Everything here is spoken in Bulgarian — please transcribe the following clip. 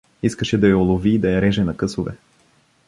Искаше да я улови и да я реже на късове.